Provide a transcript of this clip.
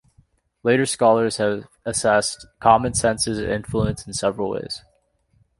Later scholars have assessed "Common Sense's" influence in several ways.